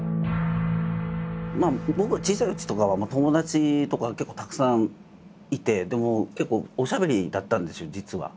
僕は小さいうちとかは友達とか結構たくさんいて結構おしゃべりだったんですよ実は。